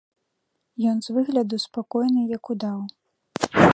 Ён з выгляду спакойны як удаў.